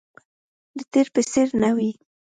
د تیر په څیر نه وي